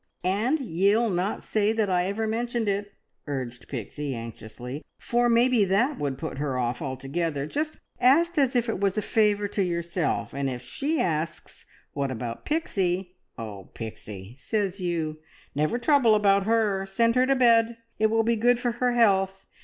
"And ye'll not say that ever I mentioned it," urged Pixie anxiously, "for maybe that would put her off altogether. Just ask as if it was a favour to yourself, and if she asks, `What about Pixie?' `Oh, Pixie,' says you, `never trouble about her! Send her to bed! It will be good for her health.